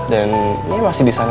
dan dia masih di sana